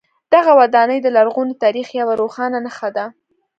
دغه ودانۍ د لرغوني تاریخ یوه روښانه نښه ده.